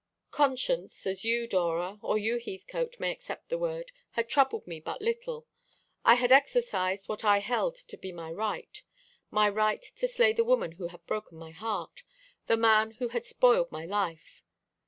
Conscience, as you, Dora, or you, Heathcote, may accept the word, had troubled me but little. I had exercised what I held to be my right my right to slay the woman who had broken my heart, the man who had spoiled my life.